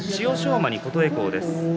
馬に琴恵光です。